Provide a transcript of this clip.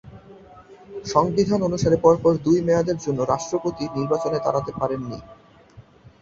সংবিধান অনুসারে পরপর দুই মেয়াদের জন্য রাষ্ট্রপতি নির্বাচনে দাঁড়াতে পারেন নি।